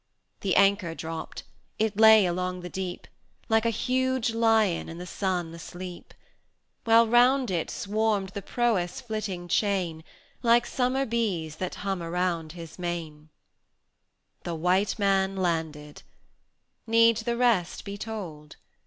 The anchor dropped; it lay along the deep, Like a huge lion in the sun asleep, While round it swarmed the Proas' flitting chain, Like summer bees that hum around his mane. XI. The white man landed! need the rest be told?